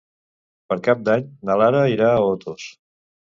Per Cap d'Any na Lara irà a Otos.